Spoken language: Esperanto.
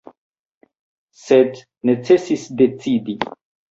Sed necesis decidi.